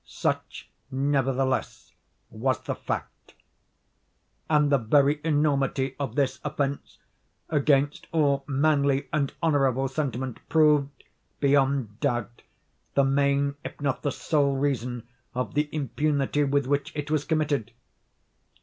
Such, nevertheless, was the fact. And the very enormity of this offence against all manly and honourable sentiment proved, beyond doubt, the main if not the sole reason of the impunity with which it was committed.